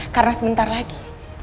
karena sebentar lagi